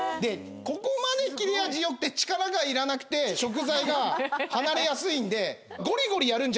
ここまで切れ味良くて力が要らなくて食材が離れやすいんでゴリゴリやるんじゃなくていくわよ。